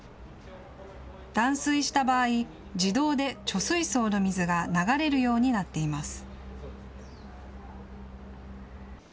断水した場合、自動で貯水槽の水が流れるようになっています。